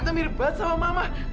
tante mirip banget sama mama